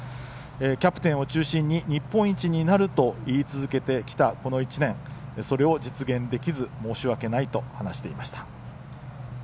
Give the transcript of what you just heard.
キャプテンを中心に日本一になると言い続けてきたこの１年、それを実現できず申し訳ないと話していました。